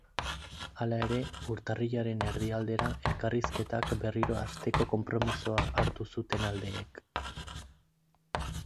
Hala ere, urtarrilaren erdialdera elkarrizketak berriro hasteko konpromisoa hartu zuten aldeek.